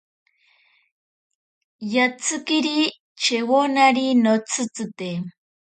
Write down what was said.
Yatsikiri chewonari notsitzite.